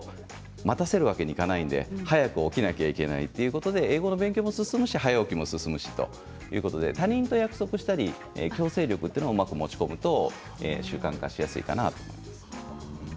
待たせるわけにはいかないので早く起きなきゃいけないということで英語の勉強も進むし早起きも進むということで他人と約束したり強制力をまず持ち込むと習慣化しやすいかなと思います。